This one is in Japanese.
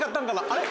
あれ？